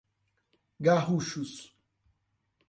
Garruchos